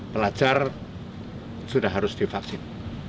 pelajar sudah harus divaksin